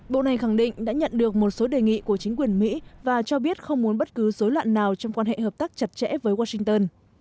bộ này khẳng định đã nhận được một số đề nghị của chính quyền mỹ và cho biết không muốn bất cứ dối loạn nào trong quan hệ hợp tác chặt chẽ với washington